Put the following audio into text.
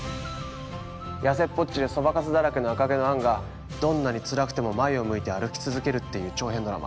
痩せっぽっちでそばかすだらけの赤毛のアンがどんなにつらくても前を向いて歩き続けるっていう長編ドラマ。